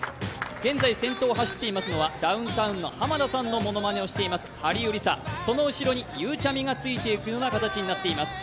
現在先頭を走っていますのはダウンタウンの浜田さんのものまねをしていますハリウリサ、その後ろにゆうちゃみがついていく形になっています。